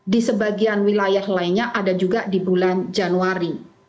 di sebagian wilayah lainnya ada juga di bulan januari